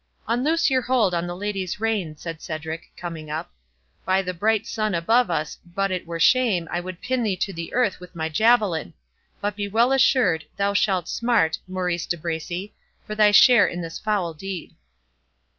"Unloose your hold on the lady's rein," said Cedric, coming up. "By the bright sun above us, but it were shame, I would pin thee to the earth with my javelin—but be well assured, thou shalt smart, Maurice de Bracy, for thy share in this foul deed."